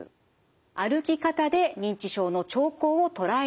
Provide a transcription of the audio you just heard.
歩き方で認知症の兆候を捉える研究。